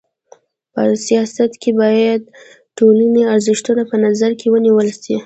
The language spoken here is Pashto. په سیاست کي بايد د ټولني ارزښتونه په نظر کي ونیول سي.